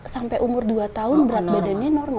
sampai umur dua tahun berat badannya normal